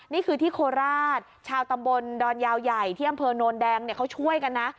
นี่คือที่โคราชชาวตำบลดอนยาวใหญ่ที่อำเภอโนนแดงเขาช่วยกันนะ